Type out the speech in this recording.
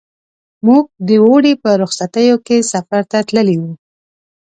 موږ د اوړي په رخصتیو کې سفر ته تللي وو.